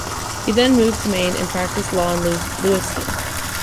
He then moved to Maine and practiced law in Lewiston.